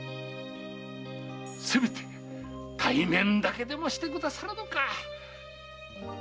せめて対面だけでもしてくださらぬか！